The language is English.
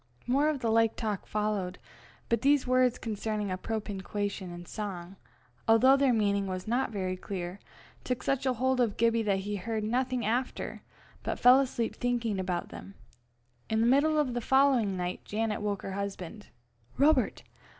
More of like talk followed, but these words concerning appropinquation in song, although their meaning was not very clear, took such a hold of Gibbie that he heard nothing after, but fell asleep thinking about them. In the middle of the following night, Janet woke her husband. "Robert!